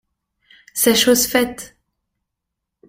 C’est chose faite.